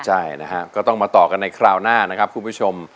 ใช่นะฮะก็ต้องมาต่อกันในคราวหน้านะครับคุณผู้ชม